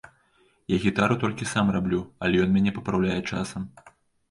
Я гітару толькі сам раблю, але ён мяне папраўляе часам.